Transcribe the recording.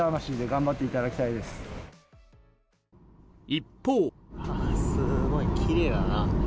一方。